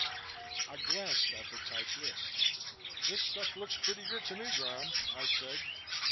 I glanced at the typed list. "This stuff looks pretty good to me, Graham," I said.